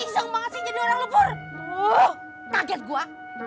sampai jumpa di video selanjutnya